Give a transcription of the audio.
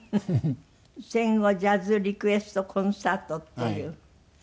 「戦後ジャズリクエストコンサート」っていう。